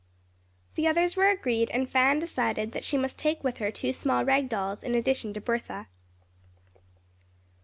The others were agreed and Fan decided that she must take with her two small rag dolls in addition to Bertha.